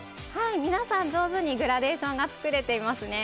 皆さん、上手にグラデーションが作れていますね。